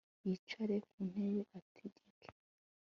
yicare ku ntebe ategeke